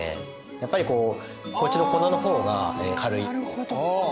やっぱりこうこっちの粉の方が軽い。